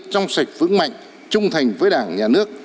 trong sạch vững mạnh trung thành với đảng nhà nước